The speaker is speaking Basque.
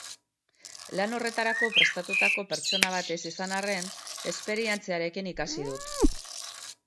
Lan horretarako prestatutako pertsona bat ez izan arren, esperientziarekin ikasi dut.